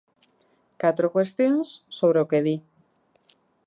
Catro cuestións sobre o que di.